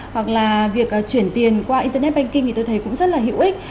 hoặc là việc chuyển tiền qua internet banking thì tôi thấy cũng rất là hữu ích